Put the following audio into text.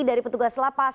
dari petugas lapas